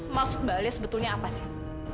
maksud mbak alia sebetulnya apa sih